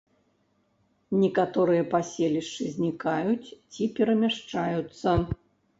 Некаторыя паселішчы знікаюць ці перамяшчаюцца.